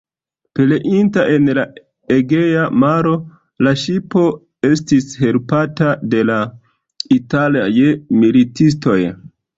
Pereinta en la Egea maro, la ŝipo estis helpata de la italaj militistoj.